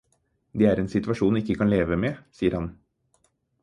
Det er en situasjon vi ikke kan leve med, sier han.